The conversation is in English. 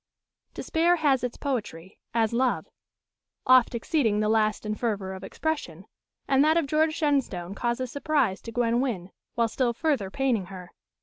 Despair has its poetry, as love; oft exceeding the last in fervour of expression, and that of George Shenstone causes surprise to Gwen Wynn, while still further paining her.